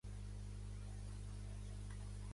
El nom és Enzo: e, ena, zeta, o.